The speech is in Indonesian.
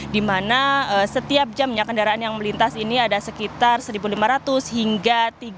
di mana setiap jamnya kendaraan yang melintas ini ada sekitar satu lima ratus hingga tiga ratus